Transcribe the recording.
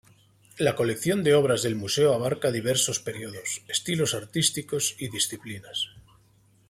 La colección de obras del museo abarca diversos periodos, estilos artísticos y disciplinas.